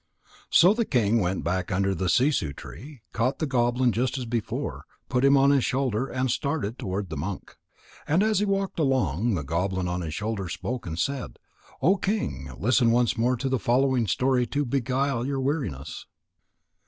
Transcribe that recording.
_ So the king went back under the sissoo tree, caught the goblin just as before, put him on his shoulder, and started toward the monk. And as he walked along, the goblin on his shoulder spoke and said: "O King, listen once more to the following story to beguile your weariness."